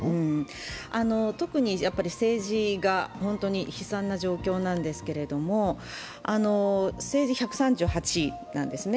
特に政治が本当に悲惨な状況なんですけれども、政治１３８位なんですね。